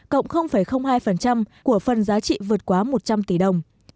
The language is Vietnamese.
cộng hai của phần giá trị vượt quá một mươi tỷ đồng lên ba mươi hai hai triệu đồng